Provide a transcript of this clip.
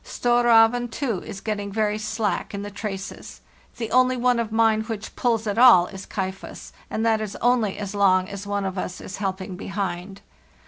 'Storrzven, too, is getting very slack in the traces; the only one of mine which pulls at all is ' Kaifas, and that is only as long as one of us is helping behind.